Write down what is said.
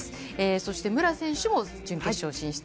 そして武良選手も準決勝進出。